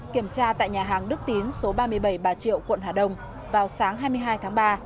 kiểm tra tại nhà hàng đức tín số ba mươi bảy bà triệu quận hà đông vào sáng hai mươi hai tháng ba